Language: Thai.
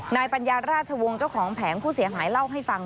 ปัญญาราชวงศ์เจ้าของแผงผู้เสียหายเล่าให้ฟัง